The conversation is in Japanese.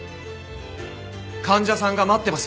患者さんが待ってます。